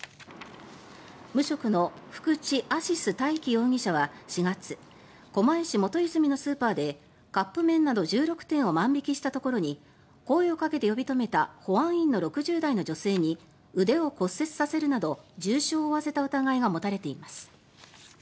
無職の福地アシィス大樹容疑者は４月狛江市元和泉のスーパーでカップ麺など１６点を万引きしたところに声をかけて呼び止めた保安員の６０代の女性に腕を骨折させるなど重傷を負わせた疑いが持たれています。